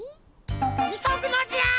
いそぐのじゃ！